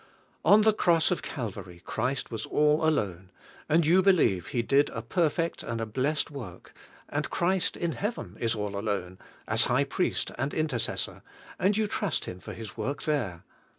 On the Cross of Calvary Christ was all alone, and you believe He did a perfect and a blessed work; and Christ in Heaven is all alone, as high priest and intercessor, and you trust Him for His work there.